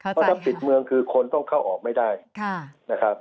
เพราะถ้าปิดเมืองคือคนต้องเข้าออกไม่ได้นะครับ